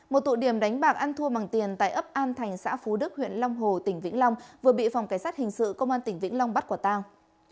một tụ điểm đánh bạc ăn thua bằng tiền tại ấp an thành xã phú đức huyện long hồ tỉnh vĩnh long vừa bị phòng cảnh sát hình sự công an tỉnh vĩnh long bắt quả tang